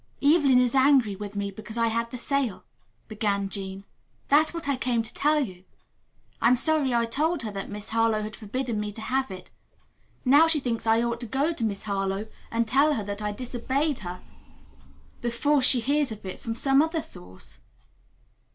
"Evelyn is angry with me because I had the sale," began Jean. "That's what I came to tell you. I'm sorry I told her that Miss Harlowe had forbidden me to have it. Now she thinks I ought to go to Miss Harlowe and tell her that I disobeyed her before she hears of it from some other source."